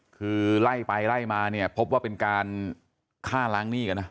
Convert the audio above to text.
คือไล่ไปไล่มาพบว่าเป็นการฆ่าล้างหนี้